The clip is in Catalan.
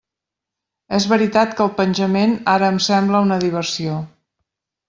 És veritat que el penjament ara em sembla una diversió.